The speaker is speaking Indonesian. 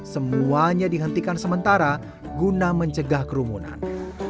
semuanya dihentikan sementara guna mencegah kerumunan